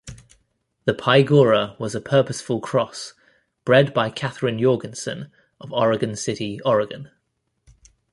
The Pygora was a purposeful cross, bred by Katharine Jorgensen of Oregon City, Oregon.